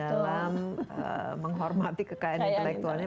dalam menghormati kekayaan intelektualnya